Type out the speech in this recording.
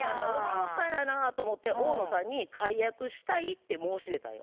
もったいないなと思って大野さんに解約したいって申し出たんよ。